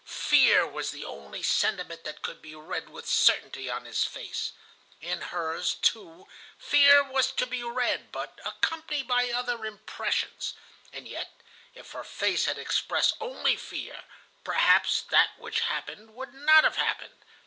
Fear was the only sentiment that could be read with certainty in his face. In hers, too, fear was to be read, but accompanied by other impressions. And yet, if her face had expressed only fear, perhaps that which happened would not have happened.